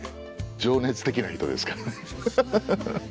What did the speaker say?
情熱的な人ですからハハハ。